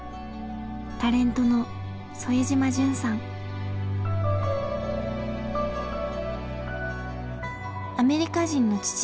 タレントのアメリカ人の父